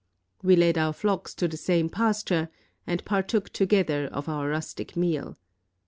"We led our flocks to the same pasture, and partook together of our rustic meal.